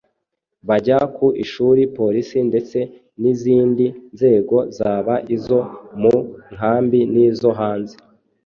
bajya ku ishuri. Polisi ndetse n’izindi nzego zaba izo mu nkambi n’izo hanze